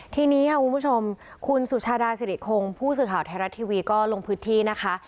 ทีนี้ค่ะคุณผู้ชมคุณสุชาดาสิริคงผู้สื่อข่าวไทยรัฐทีวีก็ลงพื้นที่นะคะ